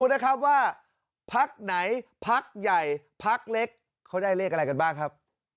นะครับว่าพักไหนพักใหญ่พักเล็กเขาได้เลขอะไรกันบ้างครับ